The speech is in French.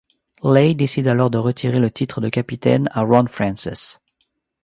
Ley décide alors de retirer le titre de capitaine à Ron Francis.